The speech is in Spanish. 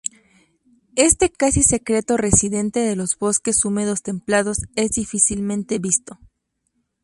Este casi secreto residente de los bosques húmedos templados es difícilmente visto.